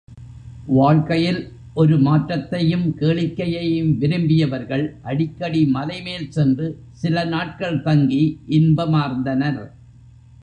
வாழ்க்கையில் ஒரு மாற்றத்தையும் கேளிக்கையையும் விரும்பியவர்கள், அடிக்கடி மலை மேல் சென்று சில நாட்கள் தங்கி இன்பமார்ந்தனர்.